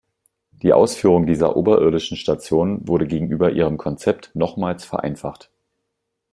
Die Ausführung dieser oberirdischen Stationen wurde gegenüber ihrem Konzept nochmals vereinfacht.